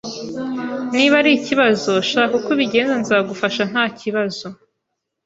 Niba ari ikibazo shaka uko ubigenza nzagufasha ntakibazo